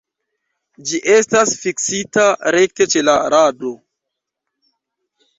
Ĝi estas fiksita rekte ĉe la rado.